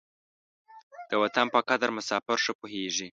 د وطن په قدر مساپر ښه پوهېږي.